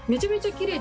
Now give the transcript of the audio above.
きれい！